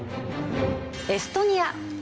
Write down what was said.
エストニア。